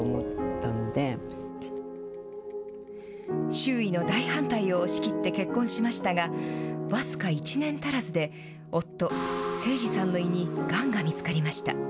周囲の大反対を押し切って結婚しましたが、僅か１年足らずで、夫、晴治さんの胃にがんが見つかりました。